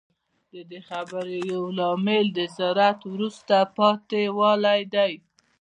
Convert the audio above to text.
د دې خبرې یو لامل د زراعت وروسته پاتې والی دی